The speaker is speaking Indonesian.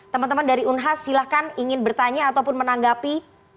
teman teman dari unhas silahkan ingin bertanya ataupun menanggapi